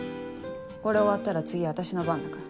これ終わったら次私の番だから。